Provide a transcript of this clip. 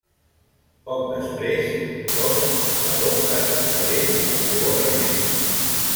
Poc després, Tom l'adopta i fa d'ell el seu aprenent.